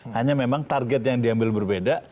hanya memang target yang diambil berbeda